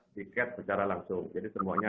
tiket secara langsung jadi semuanya